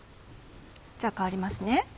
じゃあ代わりますね。